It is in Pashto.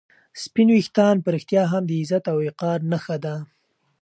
سپین ویښتان په رښتیا هم د عزت او وقار نښه ده.